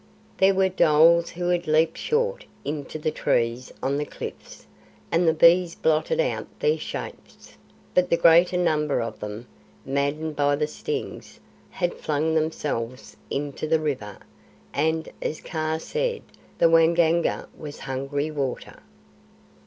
There were dholes who had leaped short into the trees on the cliffs, and the bees blotted out their shapes; but the greater number of them, maddened by the stings, had flung themselves into the river; and, as Kaa said, the Waingunga was hungry water.